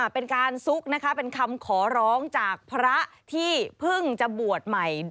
เป็นการซุกนะคะเป็นคำขอร้องจากพระที่เพิ่งจะบวชใหม่